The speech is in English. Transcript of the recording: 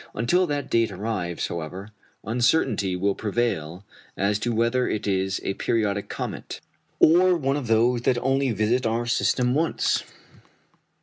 Until that date arrives, however, uncertainty will prevail as to whether it is a periodic comet, or one of those that only visit our system once.